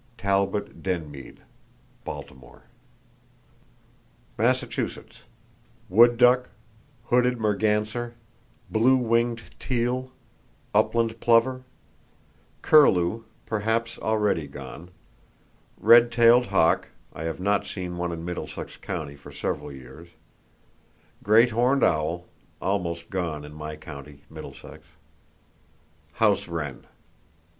—(Talbott Denmead, Baltimore.) Massachusetts: Wood duck, hooded merganser, blue winged teal, upland plover; curlew (perhaps already gone); red tailed hawk (I have not seen one in Middlesex County for several years); great horned owl (almost gone in my county, Middlesex); house wren.